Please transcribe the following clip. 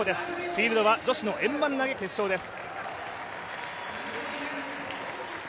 フィールドは女子の円盤投決勝です。